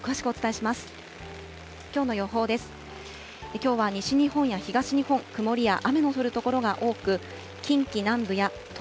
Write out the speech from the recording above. きょうは西日本や東日本、曇りや雨の降る所が多く、近畿南部や東